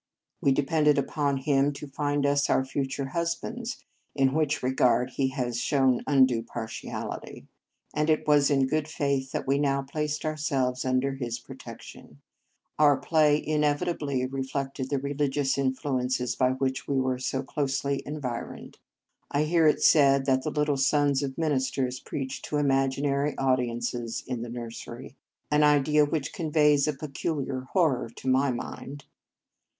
We depended upon him to find us our future husbands, in which regard he has shown undue partiality, and it was in good faith that we now placed ourselves under his protection. Our play inevitably reflected the religious influences by which we were so closely environed. I hear it said that the little sons of ministers preach to imaginary audi ences in the nursery, an idea which 162 Marriage Vows conveys a peculiar horror to my mind.